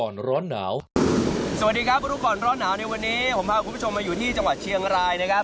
สวัสดีครับรู้ก่อนร้อนหนาวในวันนี้ผมพาคุณผู้ชมมาอยู่ที่จังหวัดเชียงรายนะครับ